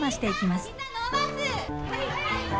はい！